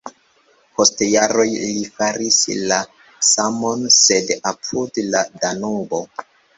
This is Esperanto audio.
Post jaroj li faris la samon, sed apud la Danubo.